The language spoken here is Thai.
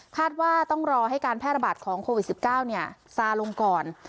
ว่าต้องรอให้การแพร่ระบาดของโควิด๑๙ซาลงก่อน